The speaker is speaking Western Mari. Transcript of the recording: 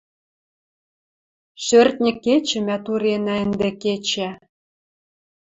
Шӧртньӹ кечӹ мӓ туренӓ ӹнде кечӓ